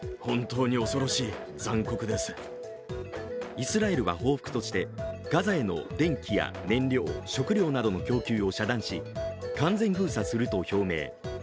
イスラエルは報復としてガザへの電気や燃料食糧などの供給を遮断し、完全封鎖すると表明。